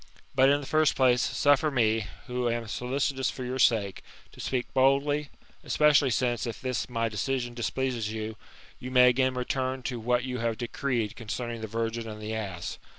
But, in the first place, suffer me, who am solicitous for your sake, to speak boldly, especially since, if this my decision displeases you, you may again return to what you have decreed concerning the virgin and the ass.